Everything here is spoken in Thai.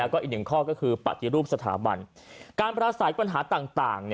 ก็อีกหนึ่งข้อก็คือปฏิรูปสถาบันการปราศัยปัญหาต่าง